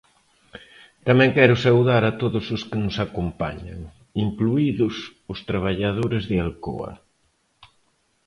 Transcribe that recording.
Tamén quero saudar a todos os que nos acompañan, incluídos os traballadores de Alcoa.